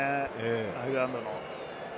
アイルランドの。